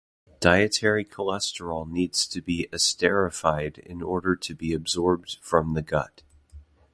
Dietary cholesterol needs be esterified in order to be absorbed from the gut.